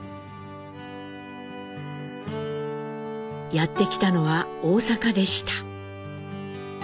やって来たのは大阪でした。